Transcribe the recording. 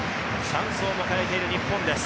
チャンスを迎えている日本です。